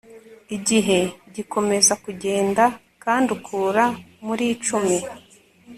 igihe gikomeza kugenda, kandi ukura muri icumi